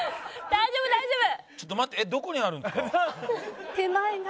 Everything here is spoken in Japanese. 大丈夫大丈夫。